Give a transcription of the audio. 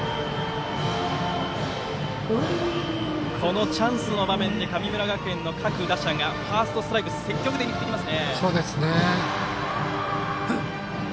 このチャンスの場面で神村学園の各打者がファーストストライク積極的に振ってきます。